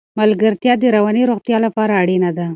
ملګرتیا د رواني روغتیا لپاره اړینه ده.